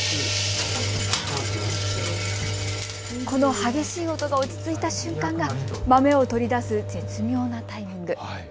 この激しい音が落ち着いた瞬間が豆を取り出す絶妙なタイミング。